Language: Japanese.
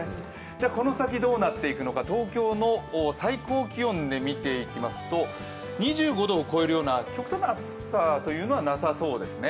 この先、どうなっていくのか、東京の最高気温で見ていきますと、２５度を超えるような極端な暑さはなさそうです。